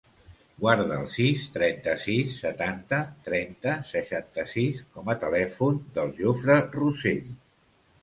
Guarda el sis, trenta-sis, setanta, trenta, seixanta-sis com a telèfon del Jofre Rossell.